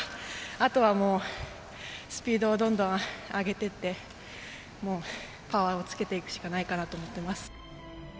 あとはスピードをどんどん上げていってパワーをつけていくしかないかなと思ってます。